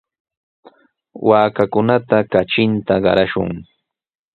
Waakakunata katrinta qarashun.